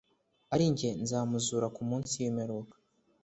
arinjye nzamuzura ku munsi w'imperuka.